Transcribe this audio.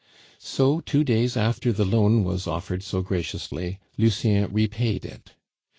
So two days after the loan was offered so graciously, Lucien repaid it.